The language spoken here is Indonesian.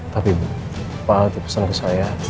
tapi bu pak al dipesan ke saya